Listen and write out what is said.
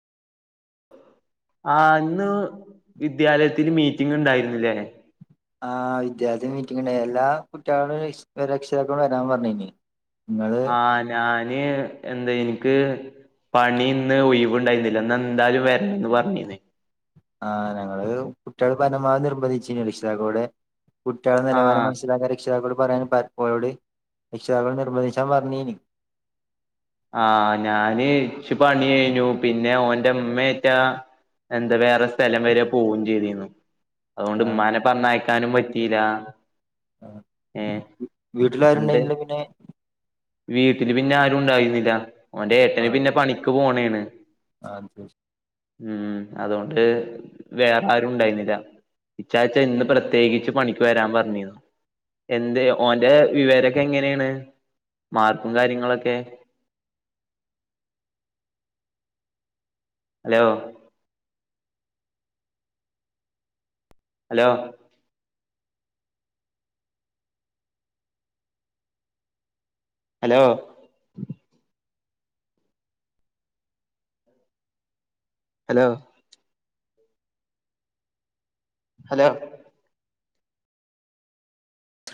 ആ ഇന്ന് വിദ്യാലയത്തിൽ മീറ്റിംഗ് ണ്ടായിരുന്നുല്ലേ ആഹ് വിദ്യാർത്ഥി മീറ്റിംഗ്ണ്ട എല്ലാ കുട്ടിയാള്ടെ രക്ഷി രക്ഷിതാക്കളോടും വരാൻ പറഞ്ഞിന് ആഹ് ഞാൻ ന് എന്താ എനിക്ക് പണി ഇന്ന് ഒഴിവ്ണ്ടായിന്നില്ല ഇന്ന് എന്തായാലും വരണംന്ന് പറഞ്ഞിന്ന് ആഹ് ഞങ്ങള് കുട്ടികൾ പരണമാവധി നിർബന്ധിച്ചിന്ന് രക്ഷിതാക്കളോട് കുട്ടിയാളെ നിലവാരം ആഹ് മനസ്സിലാക്കാൻ രക്ഷിതാക്ക പറയാൻ പപ്പോഴോട് രക്ഷിതാക്കൾ നിർബന്ധിച്ചാൻ പറഞ്ഞിരിന്ന് ആഹ് ഞാന് ഇൻ്റെ ഇമ്മേറ്റാ എന്താ വേറെ സ്ഥലം വരെ പോവും ചെയ്തിന്നു അതോണ്ട് ആഹ് ഇമ്മാനെ പറഞ്ഞയ കാനും പറ്റില ആ എന്റെ വീട്ടിലാരുണ്ടായിന്നീലെ പിന്നെ വീട്ടില് പിന്നെ ആരുംണ്ടായിന്നി ല ഓന്റെ ഏട്ടന് പിന്നെ പണിക്ക് പോണേ ണ് ആ ദ് ഉം അതോണ്ട് വേറെ ആരും ണ്ടായിന്നില്ല ഇച്ചാച്ച ഇന്ന് പ്രത്യേകിച്ച് പണിക്ക് വരാൻ പറഞ്ഞിന്നു എന്ത് ഓൻ്റെ വിവരൊക്കെ എങ്ങനെണ് മാർക്കും കാര്യങ്ങളൊക്കെ hello hello hello hello hello